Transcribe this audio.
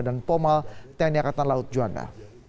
dan pomal tni akatan laut juanda